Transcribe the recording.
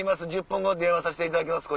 １０分後に電話さしていただきます